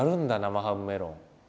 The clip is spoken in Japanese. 生ハムメロン。